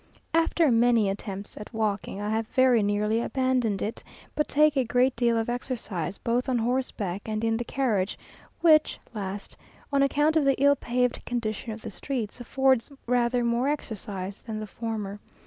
After many attempts at walking, I have very nearly abandoned it, but take a great deal of exercise both on horseback and in the carriage; which last, on account of the ill paved condition of the streets, affords rather more exercise than the former.